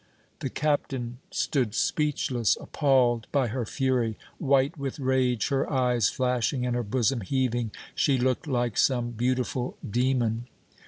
The Captain stood speechless, appalled by her fury. White with rage, her eyes flashing and her bosom heaving, she looked like some beautiful demon.